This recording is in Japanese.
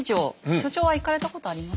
所長は行かれたことありますか？